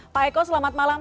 pak eko selamat malam